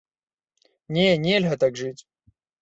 Не, нельга так жыць!